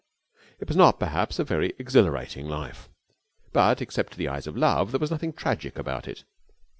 It was not, perhaps, a very exhilarating life, but, except to the eyes of love, there was nothing tragic about it.